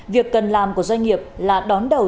việc cần làm của doanh nghiệp là đón đầu